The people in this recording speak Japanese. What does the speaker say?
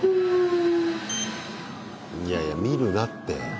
いやいや見るなって。